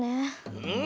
うん。